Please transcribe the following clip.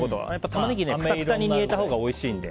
タマネギくたくたに煮えたほうがおいしいので。